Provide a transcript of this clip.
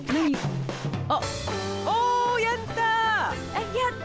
おやった！